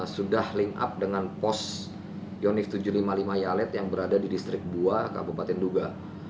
sudah link up dengan pos yonif tujuh ratus lima puluh lima yalet yang berada di distrik dua kabupaten duga